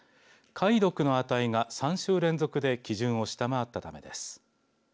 貝毒の値が３週連続で基準を下回ったためです。